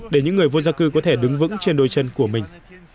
để những người vô gia cư có thể đứng vững trên đôi chân của mình